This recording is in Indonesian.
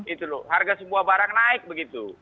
itu loh harga sebuah barang naik begitu